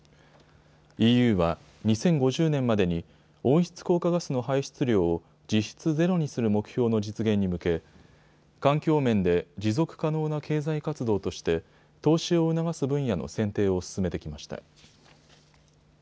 ＥＵは２０５０年までに温室効果ガスの排出量を実質ゼロにする目標の実現に向け環境面で持続可能な経済活動として投資を促す分野の選定を進めてきました。